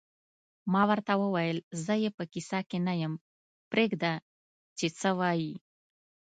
ما ورته وویل: زه یې په کیسه کې نه یم، پرېږده چې څه وایې.